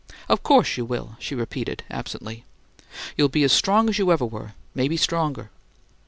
"Of course you will," she repeated, absently. "You'll be as strong as you ever were; maybe stronger."